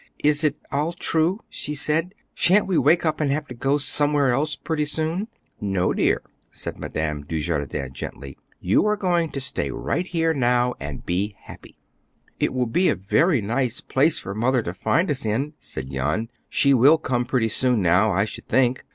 "Is it all true?" she said. "Shan't we wake up and have to go somewhere else pretty soon?" "No, dear," said Madame Dujardin gently. "You are going to stay right here now and be happy." "It will be a very nice place for Mother to find us in," said Jan. "She will come pretty soon now, I should think."